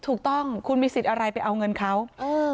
ถูกต้องคุณมีสิทธิ์อะไรไปเอาเงินเขาเออ